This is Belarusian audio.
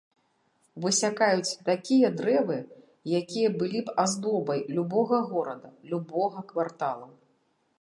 Высякаюць такія дрэвы, якія былі б аздобай любога горада, любога квартала!